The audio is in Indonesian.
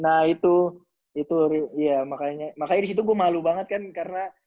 nah itu itu ya makanya disitu gue malu banget kan karena